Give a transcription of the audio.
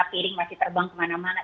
piring masih terbang kemana mana